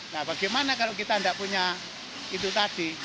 nah bagaimana kalau kita tidak punya itu tadi